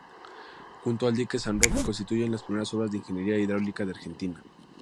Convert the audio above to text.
Junto al Dique San Roque, constituyen las primeras obras de Ingeniería Hidráulica de Argentina.